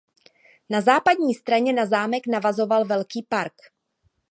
Na západní straně na zámek navazoval velký park.